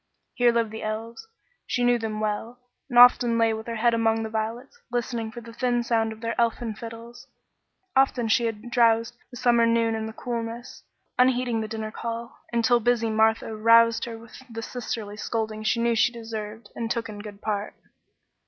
Here lived the elves; she knew them well, and often lay with her head among the violets, listening for the thin sound of their elfin fiddles. Often she had drowsed the summer noon in the coolness, unheeding the dinner call, until busy Martha roused her with the sisterly scolding she knew she deserved and took in good part.